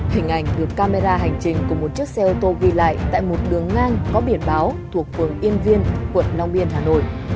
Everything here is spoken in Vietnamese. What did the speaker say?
hình ảnh được camera hành trình của một chiếc xe ô tô ghi lại tại một đường ngang có biển báo thuộc phường yên viên quận long biên hà nội